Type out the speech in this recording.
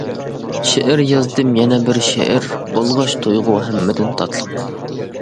شېئىر يازدىم يەنە بىر شېئىر، بولغاچ تۇيغۇ ھەممىدىن تاتلىق.